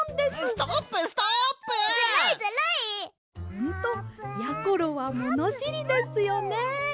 「ほんとやころはものしりですよね」。